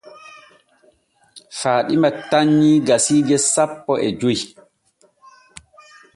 Faaɗima tannyii gasiije sapo e joy.